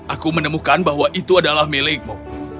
aku menemukan bahwa itu adalah milikmu